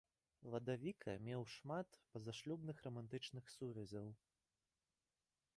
Ладавіка меў шмат пазашлюбных рамантычных сувязяў.